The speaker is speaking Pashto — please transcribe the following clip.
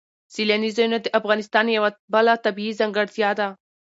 سیلاني ځایونه د افغانستان یوه بله طبیعي ځانګړتیا ده.